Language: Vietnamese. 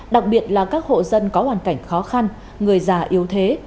đặc biệt là các hộ dân có hoàn cảnh khó khăn người già yếu thế